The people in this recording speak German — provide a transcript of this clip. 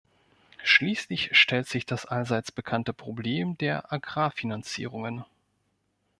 Schließlich stellt sich das allseits bekannte Problem der Agrarfinanzierungen.